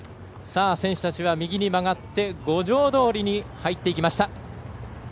選手たちは右に曲がって五条通に入っていきました。